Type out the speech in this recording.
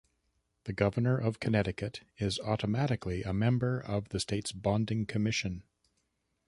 The Governor of Connecticut is automatically a member of the state's Bonding Commission.